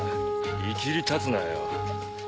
いきりたつなよ。